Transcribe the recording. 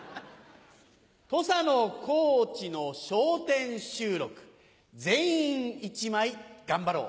土佐の高知の『笑点』収録全員１枚頑張ろう。